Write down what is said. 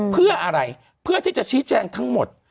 เพื่ออะไรเพื่อที่จะชี้แจงทั้งหมด